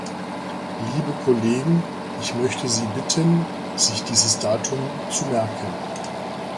Liebe Kollegen, ich möchte Sie bitten, sich dieses Datum zu merken.